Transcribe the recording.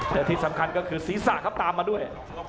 แต่ที่สำคัญก็คือศีรษะครับตามมาด้วย